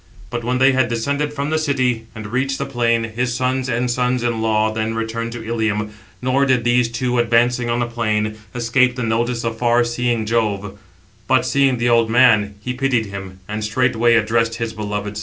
But when they had descended from the city, and reached the plain, his sons and sons in law then returned to Ilium. Nor did these two, advancing on the plain, escape the notice of far seeing Jove; but, seeing the old man, he pitied him, and straightway addressed his beloved son: Footnote 788: (return) See Alberti on Hesych. t. ii. pp.